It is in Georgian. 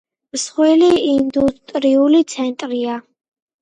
მსხვილი ინდუსტრიული ცენტრია.